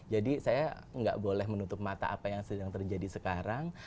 jadi saya tidak boleh menutup mata apa yang sedang terjadi sekarang